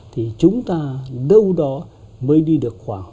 thì chúng ta đâu đó mới đi được khoảng